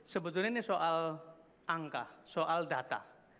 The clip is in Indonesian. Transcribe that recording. sebetulnya ini soal angka soal data